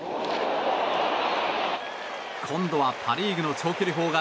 今度はパ・リーグの長距離砲が